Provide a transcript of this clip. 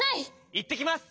いってきます！